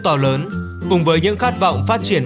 to lớn cùng với những khát vọng phát triển